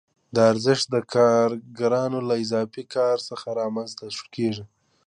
دا ارزښت د کارګرانو له اضافي کار څخه رامنځته کېږي